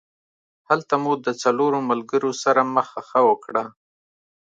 هلته مو د څلورو ملګرو سره مخه ښه وکړه.